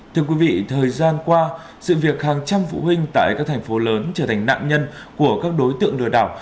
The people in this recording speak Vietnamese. thưa quý vị thời gian qua sự việc hàng trăm phụ huynh tại các thành phố lớn trở thành nạn nhân của các đối tượng lừa đảo